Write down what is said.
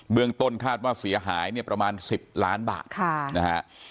เรื่องต้นคาดว่าเสียหายเนี่ยประมาณ๑๐ล้านบาทนะฮะ